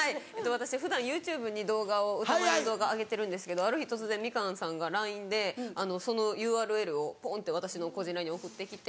私普段ＹｏｕＴｕｂｅにうたマネの動画上げてるんですけどある日突然みかんさんがＬＩＮＥでそのＵＲＬをポンって私の個人ＬＩＮＥに送ってきて。